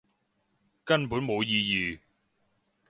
根本冇意義